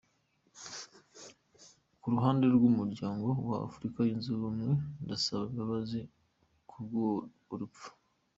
Ku ruhande rw’Umuryango wa Afurika yunze ubumwe, ndasaba imbabazi kubw’urwo rupfu.